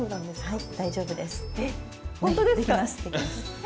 はい。